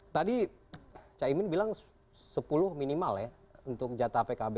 tadi caimin bilang sepuluh minimal ya untuk jatah pkb